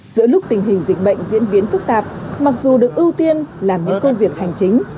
giữa lúc tình hình dịch bệnh diễn biến phức tạp mặc dù được ưu tiên làm những công việc hành chính